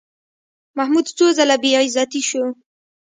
محمود څو ځله بېعزتي شو.